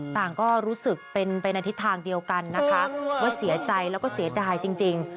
ต่างก็รู้สึกเป็นไปในทิศทางเดียวกันนะคะว่าเสียใจแล้วก็เสียดายจริง